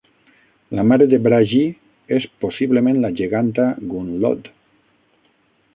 La mare de Bragi és possiblement la geganta Gunnlod.